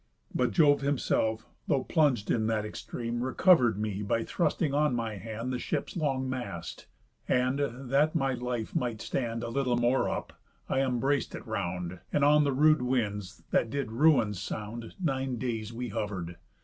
But Jove himself, though plung'd in that extreme, Recover'd me by thrusting on my hand The ship's long mast. And, that my life might stand A little more up, I embrac'd it round; And on the rude winds, that did ruins sound, Nine days we hover'd.